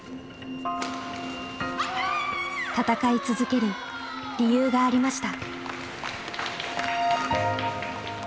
戦い続ける理由がありました。